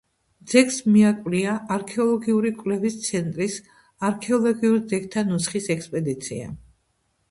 ძეგლს მიაკვლია არქეოლოგიური კვლევის ცენტრის არქეოლოგიურ ძეგლთა ნუსხის ექსპედიციამ.